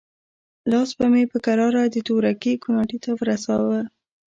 لاس به مې په کراره د تورکي کوناټي ته ورساوه.